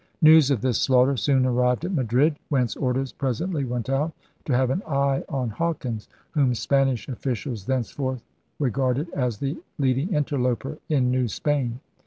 News of this slaughter soon arrived at Madrid, whence orders presently went out to have an eye on Hawkins, whom Spanish officials thenceforth regarded as the leading interloper in New Spain.